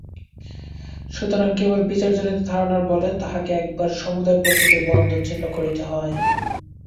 সুতরাং কেবল বিচারজনিত ধারণার বলে তাঁহাকে একেবারে সমুদয় প্রাকৃতিক বন্ধন ছিন্ন করিতে হয়।